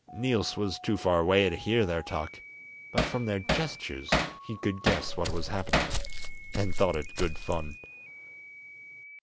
Niels was too far away to hear their talk, but from their gestures he could guess what was happening, and thought it good fun.